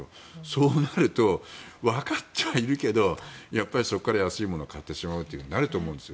そうなると、分かってはいるけどやっぱり、そこから安いものを買ってしまうようになると思うんです。